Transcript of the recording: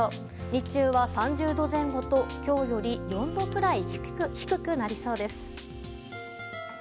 日中は３０度前後と、今日より４度くらい低くなりそうです。